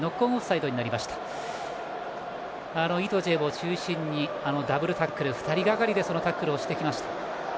イトジェを中心にダブルタックル、２人がかりでタックルをしてきました。